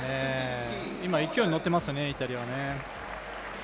今、勢いにのってますねイタリアは。